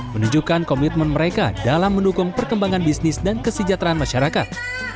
menunjukkan komitmen mereka dalam mendukung perkembangan bisnis dan kesejahteraan masyarakat